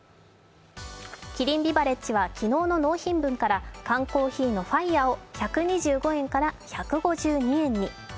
キリンビバレッジは昨日の納品分から缶コーヒーを１２４円から１５２円に。